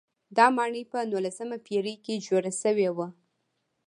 دا ماڼۍ په نولسمې پېړۍ کې جوړه شوې وه.